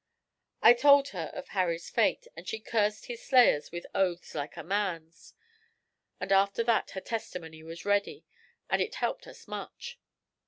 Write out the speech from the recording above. I told her of Harry's fate, and she cursed his slayers with oaths like a man's; and after that her testimony was ready, and it helped us much.